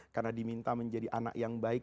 karena diminta menjadi anak yang baik